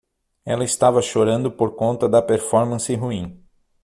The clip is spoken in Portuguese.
Ela estava chorando por conta da performance ruim.